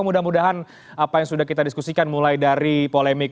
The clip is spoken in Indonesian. mudah mudahan apa yang sudah kita diskusikan mulai dari polemik